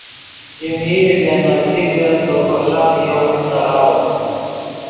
ژے میر ژے نڤزیکے دے کوݰا ڤیو تے غاوو